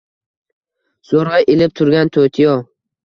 Zoʻrgʻa ilib turgan toʻtiyo –